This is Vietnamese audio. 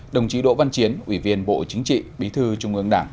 đồng chí đỗ văn chiến ủy viên bộ chính trị bí thư trung ương đảng